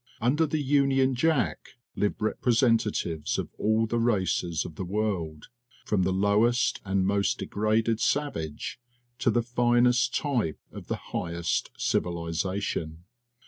Under the Union Jack live repre sentatives of all the races of the world, from the lowest and most degraded savage to the finest type of the highest civilization.